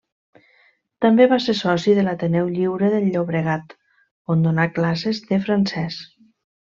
També va ser soci de l'Ateneu Lliure del Llobregat, on donà classes de francès.